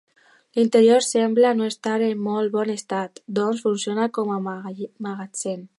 L'interior sembla no estar en molt bon estat, doncs, funciona com a magatzem.